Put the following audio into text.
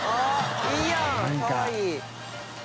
いいやんかわいい。